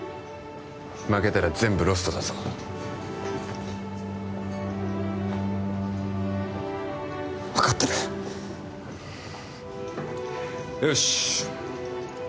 負けたら全部ロストだぞ分かってるよし！